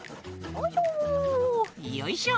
よいしょ！